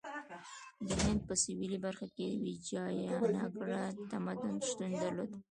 د هند په سویلي برخه کې ویجایاناګرا تمدن شتون درلود.